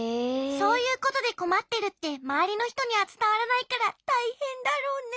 そういうことでこまってるってまわりのひとにはつたわらないからたいへんだろうね。